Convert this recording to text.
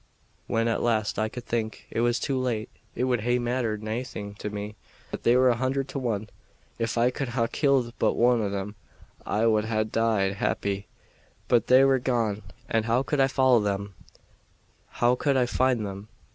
When at last I could think, it was too late. It wad hae mattered naething to me that they were a hundred to one. If I could ha' killed but one o' them I wad ha' died happy; but they were gone, and how could I follow them how could I find them?